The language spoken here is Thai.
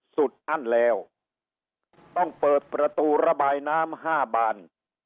อั้นแล้วต้องเปิดประตูระบายน้ำ๕บาน